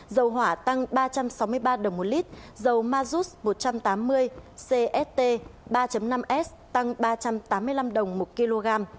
dầu hỏa tăng ba trăm sáu mươi ba đồng một lít dầu mazut một trăm tám mươi cst ba năm s tăng ba trăm tám mươi năm đồng một kg